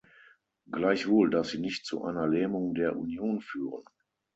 Gleichwohl darf sie nicht zu einer Lähmung der Union führen.